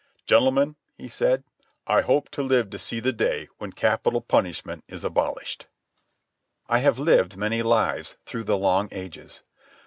"Gentlemen," he said, "I hope to live to see the day when capital punishment is abolished." I have lived many lives through the long ages.